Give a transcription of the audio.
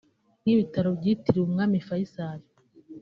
nk’ibitaro byitiriwe umwami Faical